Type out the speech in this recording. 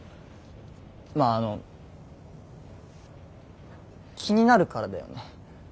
まああの気になるからだよね。